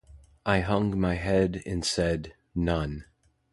I hung my head and said, None.